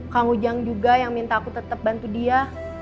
kang ujang juga yang minta aku tetap bantu dia